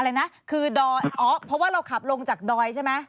อะไรนะคือดอยอ๋อเพราะว่าเราขับลงจากดอยใช่ไหม